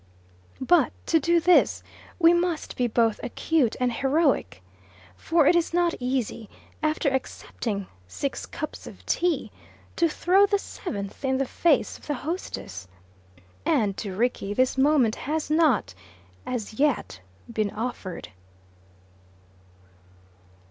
But to do this we must be both acute and heroic. For it is not easy, after accepting six cups of tea, to throw the seventh in the face of the hostess. And to Rickie this moment has not, as yet, been offered.